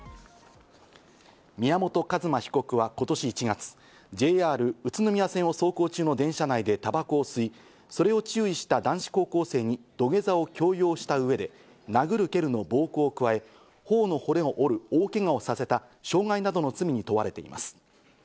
宮本一馬被告は今年１月、ＪＲ宇都宮線を走行中の電車内でタバコを吸い、それを注意した男子高校生に土下座を強要した上で、殴る蹴るなどの暴行を加え、ほおの骨を折るなどの大けがをさせた傷害の罪に問われています。